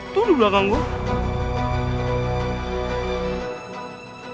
tuh di belakang gue